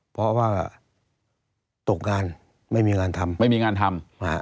เพราะว่าตกงานไม่มีงานทำไม่มีงานทำ